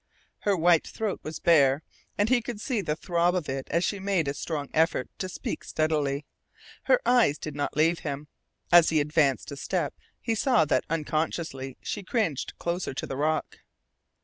Her white throat was bare, and he could see the throb of it as she made a strong effort to speak steadily. Her eyes did not leave him. As he advanced a step he saw that unconsciously she cringed closer to the rock.